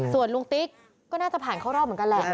ส่วนลุงติ๊กก็น่าจะผ่านเข้ารอบเหมือนกันแหละ